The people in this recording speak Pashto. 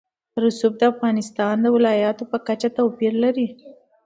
رسوب د افغانستان د ولایاتو په کچه توپیر لري.